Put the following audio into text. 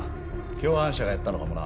共犯者がやったのかもな。